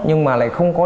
nhưng mà lại không có